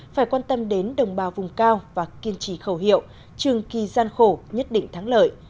phải quan tâm đến đồng bào vùng cao và kiên trì khẩu hiệu trường kỳ gian khổ nhất định thắng lợi